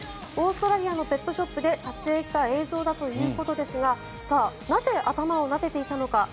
オーストラリアのペットショップで撮影した映像だということですがなぜ頭をなでていたのか。